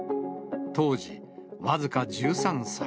当時、僅か１３歳。